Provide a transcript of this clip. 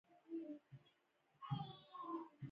آزاد تجارت مهم دی ځکه چې لګښت کموي.